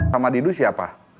sama didu siapa